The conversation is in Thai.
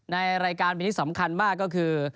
ในรายการที่มีนิดที่สำคัญมากก็คือ